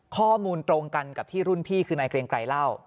ข้อมูลตรงกันกับที่รุ่นพี่คือนายเกรงไกรเล่า